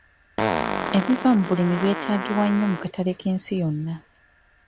Ebiva mu bulimi byetaagibwa nnyo mu katale k'ensi yonna.